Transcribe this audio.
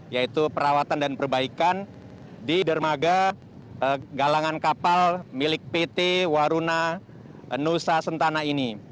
yaitu perawatan dan perbaikan di dermaga galangan kapal milik pt waruna nusa sentana ini